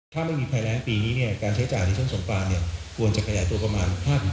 ถ้าไม่มีภัยแรงปีนี้การใช้จ่ายในช่วงสงกรานควรจะขยายตัวประมาณ๕๓